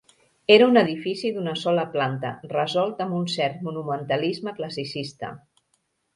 Era un edifici d'una sola planta resolt amb un cert monumentalisme classicista.